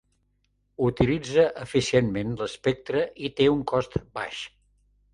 Utilitza eficientment l'espectre i té un cost baix.